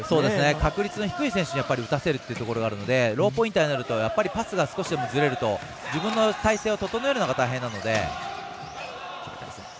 確率の低い選手に打たせるっていうのがあるのでローポインターになるとやっぱりパスが少しでもずれると自分の体勢を整えるのが大変なので。